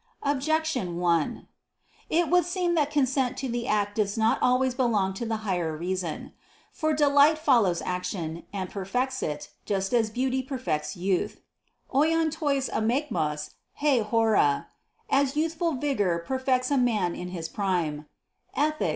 Objection 1: It would seem that consent to the act does not always belong to the higher reason. For "delight follows action, and perfects it, just as beauty perfects youth" [*_oion tois akmaiois he hora_ as youthful vigor perfects a man in his prime] (Ethic.